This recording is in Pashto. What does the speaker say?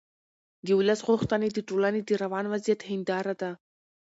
د ولس غوښتنې د ټولنې د روان وضعیت هنداره ده